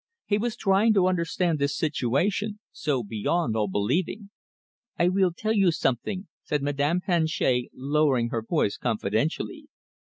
He was trying to understand this situation, so beyond all believing. "I weel tell you something," said Madame Planchet, lowering her voice confidentially.